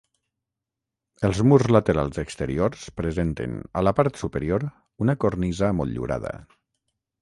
Els murs laterals exteriors presenten, a la part superior, una cornisa motllurada.